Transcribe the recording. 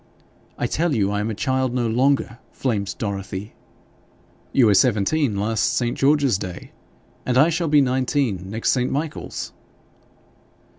'I tell you I am a child no longer,' flamed Dorothy. 'You were seventeen last St. George's Day, and I shall be nineteen next St. Michael's.'